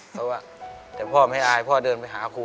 เขาว่าแต่พ่อไม่อายพ่อเดินไปหาครู